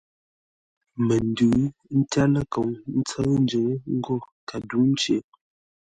Məndʉ tyár ləkoŋ ńtsə́ʉ njʉ́ŋə́ ńgó kədǔŋcei.